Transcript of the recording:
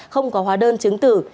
không có hóa đơn chứng tử